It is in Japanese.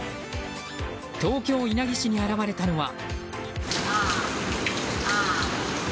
東京・稲城市に現れたのは。